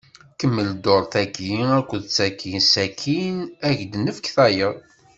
Kemmel dduṛt-agi akked tagi, sakin ad k-nefk tayeḍ.